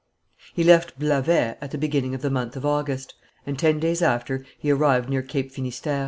He left Blavet at the beginning of the month of August, and ten days after he arrived near Cape Finisterre.